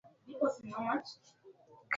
kae nitie gimoro Haji